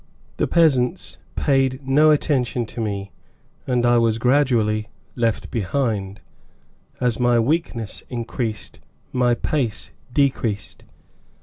The peasants paid no attention to me, and I was gradually left behind, as my weakness increased my pace decreased.